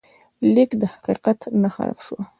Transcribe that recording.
لیک د حقیقت نښه شوه.